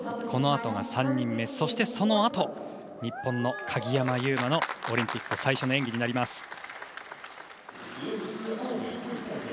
このあとが３人目そしてそのあと日本の鍵山優真のオリンピック最初の演技です。